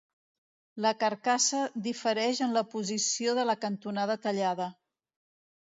La carcassa difereix en la posició de la cantonada tallada.